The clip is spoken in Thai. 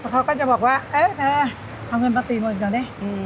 เขาก็จะบอกว่าเออเธอเอาเงินมา๔๐๐๐ก่อนดิ